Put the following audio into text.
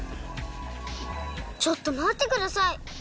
ちょっとまってください。